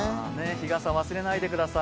日傘、忘れないでください